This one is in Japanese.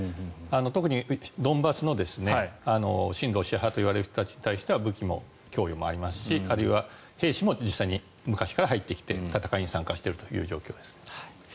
特にドンバスの親ロシア派といわれる人たちに対しては武器も供与もありますしあるいは兵士も実際に昔から入ってきて戦いに参加しているという状況です。